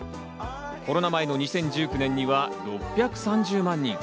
コロナ前の２０１９年には６３０万人。